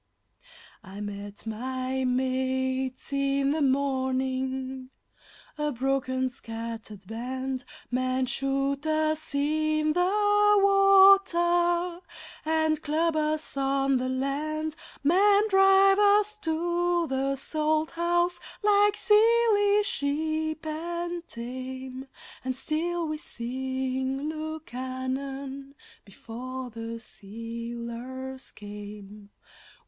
I met my mates in the morning, a broken, scattered band. Men shoot us in the water and club us on the land; Men drive us to the Salt House like silly sheep and tame, And still we sing Lukannon before the sealers came.